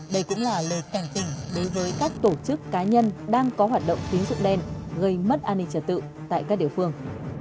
đây cũng là lời cảnh tỉnh đối với các tổ chức cá nhân đang có hoạt động tín dụng đen gây mất an ninh trật tự tại các địa phương